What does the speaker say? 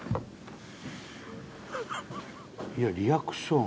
いやリアクション。